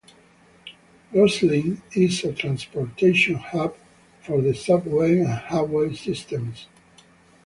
Rosslyn is a transportation hub for the subway and highway systems.